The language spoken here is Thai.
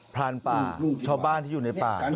พรานป่าชาวบ้านที่อยู่ในป่า